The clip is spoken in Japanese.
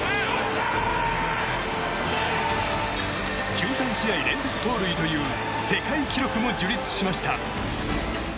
１３試合連続盗塁という世界記録も樹立しました。